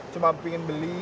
cuma pengen beli